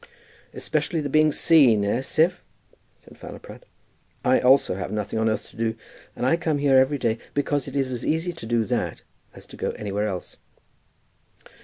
"Especially the being seen, eh, Siph?" said Fowler Pratt. "I also have nothing on earth to do, and I come here every day because it is as easy to do that as to go anywhere else."